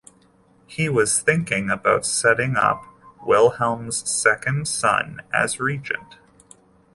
He was thinking about setting up Wilhelm's second son as regent.